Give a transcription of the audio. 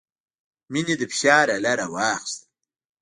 مينې د فشار اله راواخيسته.